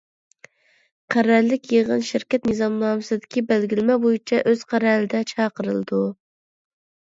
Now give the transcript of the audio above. قەرەللىك يىغىن شىركەت نىزامنامىسىدىكى بەلگىلىمە بويىچە ئۆز قەرەلىدە چاقىرىلىدۇ.